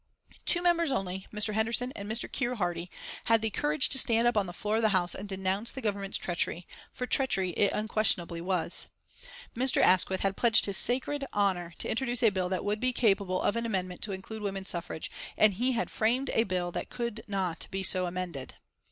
Two members only, Mr. Henderson and Mr. Keir Hardie had the courage to stand up on the floor of the House and denounce the Government's treachery, for treachery it unquestionably was. Mr. Asquith had pledged his sacred honour to introduce a bill that would be capable of an amendment to include women's suffrage, and he had framed a bill that could not be so amended.